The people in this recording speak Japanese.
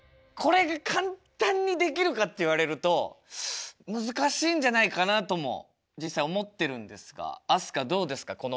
これが簡単にできるかって言われると難しいんじゃないかなとも実際思ってるんですが飛鳥どうですか？